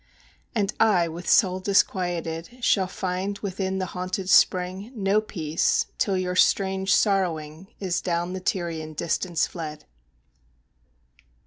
And I, with soul disquieted, Shall find within the haunted spring No peace, till your strange sorrowing Is down the Tyrian distance fled.